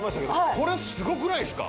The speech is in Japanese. これすごくないですか。